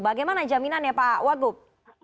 bagaimana jaminannya pak wagub